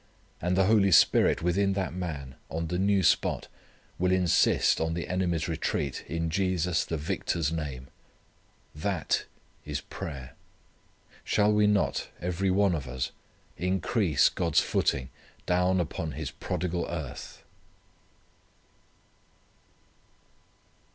And the Holy Spirit within that man, on the new spot, will insist on the enemy's retreat in Jesus the Victor's name. That is prayer. Shall we not, every one of us, increase God's footing down upon His prodigal earth!